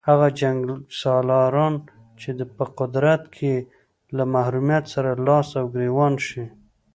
هغه جنګسالاران چې په قدرت کې له محرومیت سره لاس او ګرېوان شي.